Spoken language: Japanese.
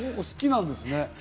好きなんですね。